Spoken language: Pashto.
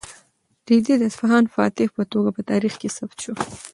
رېدي د اصفهان فاتح په توګه په تاریخ کې ثبت شو.